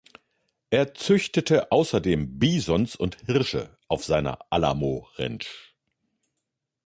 Er züchtete außerdem Bisons und Hirsche auf seiner Alamo Ranch.